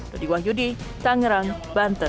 lodi wahyudi tangerang banten